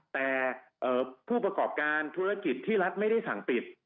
แต่ผู้ประกอบการธุรกิจที่รัฐไม่ได้สั่งปิด